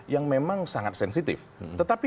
yang memang sangat sensitif tetapi